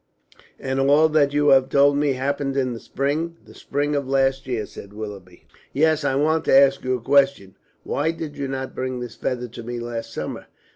"And all that you have told me happened in the spring?" "The spring of last year," said Willoughby. "Yes. I want to ask you a question. Why did you not bring this feather to me last summer?"